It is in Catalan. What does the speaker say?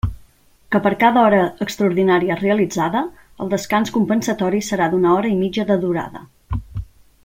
Que per cada hora extraordinària realitzada, el descans compensatori serà d'una hora i mitja de durada.